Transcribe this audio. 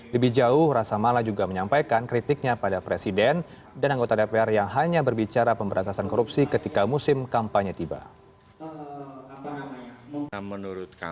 lebih jauh rasa mala juga menyampaikan kritiknya pada presiden dan anggota dpr yang hanya berbicara pemberantasan korupsi ketika musim kampanye tiba